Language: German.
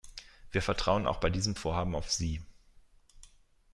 Wir vertrauen auch bei diesem Vorhaben auf Sie.